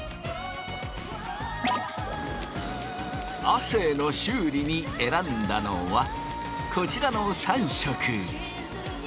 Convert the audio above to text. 亜生の修理に選んだのはこちらの３色。